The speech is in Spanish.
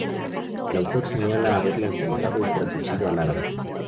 El autor señala haberla encontrado y traducido al árabe.